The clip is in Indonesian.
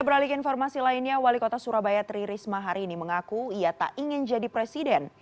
beralik informasi lainnya wali kota surabaya tri risma hari ini mengaku ia tak ingin jadi presiden